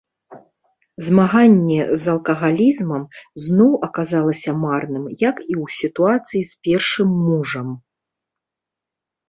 Змаганне з алкагалізмам зноў аказалася марным, як і ў сітуацыі з першым мужам.